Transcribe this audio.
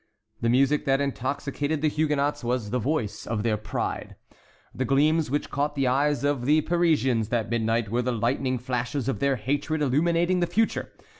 The music that intoxicated the Huguenots was the voice of their pride. The gleams which caught the eyes of the Parisians that midnight were the lightning flashes of their hatred illuminating the future.